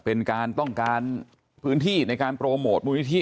เป็นการต้องการพื้นที่ในการโปรโมทมูลนิธิ